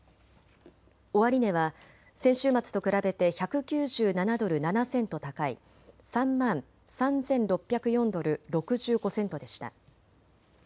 終値は先週末と比べて１９７ドル７セント高い３万３６０４ドル６５セントでした。